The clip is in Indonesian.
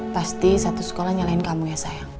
pasti satu sekolah nyalain kamu ya sayang